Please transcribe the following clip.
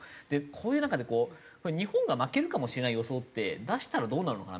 こういう中でこう日本が負けるかもしれない予想って出したらどうなるのかな？